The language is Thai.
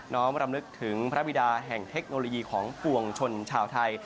้อมรำลึกถึงพระบิดาแห่งเทคโนโลยีของปวงชนชาวไทย